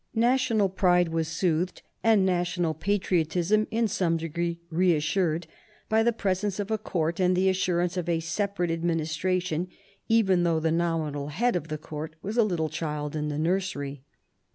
National pride was soothed, and national patriotism in some degree reassured, by the presence of a court and the assurance of a separate adminis tration, even though the nominal head of the court was a little child in the nursery.